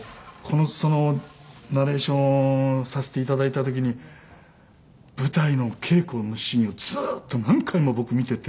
そのナレーションをさせて頂いた時に舞台の稽古のシーンをずっと何回も僕見てて。